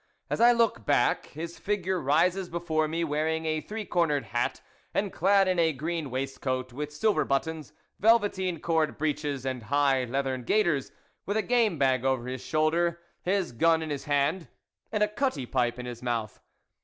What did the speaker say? As I look back, his figure rises before me, wearing a three cornered hat, and clad in a green waistcoat with silver buttons, velveteen cord breeches, and high leathern gaiters, with a game bag over his shoulder, his gun in his hand, and a cutty pipe in his mouth.